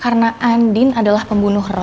karena andien adalah pembunuh roy